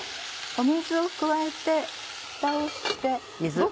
水を加えてふたをして。